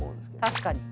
確かに。